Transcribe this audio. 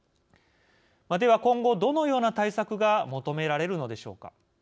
では、今後どのような対策が求められるのでしょうか。